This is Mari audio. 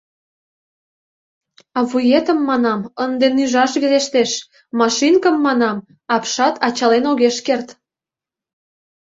А вуетым, манам, ынде нӱжаш верештеш, машинкым, манам, апшат ачален огеш керт.